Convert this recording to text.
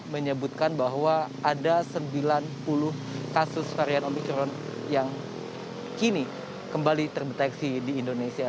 menyebutkan bahwa ada sembilan puluh kasus varian omikron yang kini kembali terdeteksi di indonesia